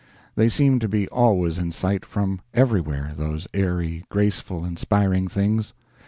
They seem to be always in sight, from everywhere, those airy, graceful, inspiring things.